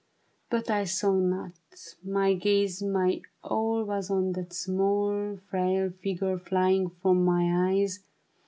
But I saw not ; my gaze, my all Was on that small Frail figure flying from my eyes.